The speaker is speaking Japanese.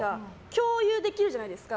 共有できるじゃないですか。